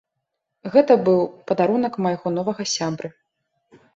Гэта быў падарунак майго новага сябры.